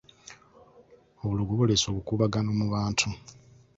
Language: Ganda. Obulogo buleese obukuubagano mu bantu.